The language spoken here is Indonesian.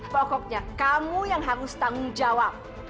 pokoknya kamu yang harus tanggung jawab